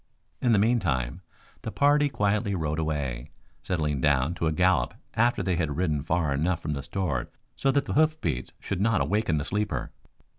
In the meantime the party quietly rode away, settling down to a gallop after they had ridden far enough from the store so that the hoofbeats should not awaken the sleeper.